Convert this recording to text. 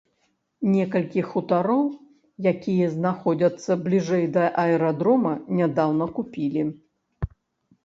Некалькі хутароў, якія знаходзяцца бліжэй да аэрадрома, нядаўна купілі.